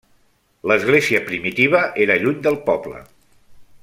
L'església primitiva era lluny del poble.